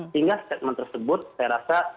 sehingga statement tersebut saya rasa